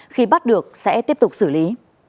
khi bắt được sẽ tiếp tục xử lý